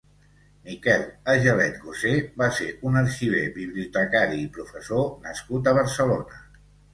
Miquel Agelet Gosé va ser un arxiver, bibliotecari i professor nascut a Barcelona.